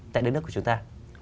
tại đất nước của chúng ta